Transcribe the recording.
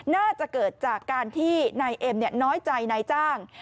น่าจะเกิดจากการที่นายเอ็มน้อยใจนายจ้าง